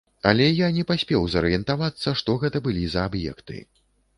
Але я не паспеў зарыентавацца, што гэта былі за аб'екты.